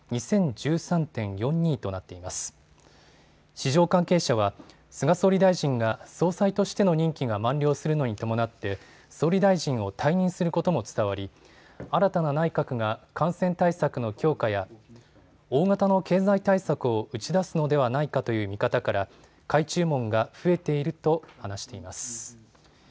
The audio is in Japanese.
市場関係者は、菅総理大臣が、総裁としての任期が満了するのに伴って、総理大臣を退任することも伝わり、新たな内閣が感染対策の強化や、大型の経済対策を打ち出すのではないかという見方から、買い注文が増えていると話しています。